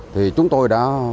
thì chúng tôi đã